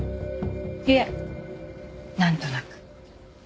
いえなんとなく。